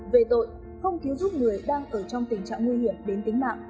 về tội không cứu giúp người đang ở trong tình trạng nguy hiểm đến tính mạng